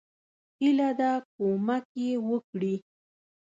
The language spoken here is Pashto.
هیله ده کومک یی وکړي.